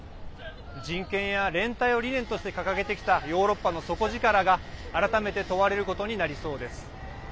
人権や連帯を理念として掲げてきたヨーロッパの底力が改めて問われることになりそうです。